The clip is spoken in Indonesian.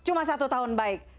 cuma satu tahun baik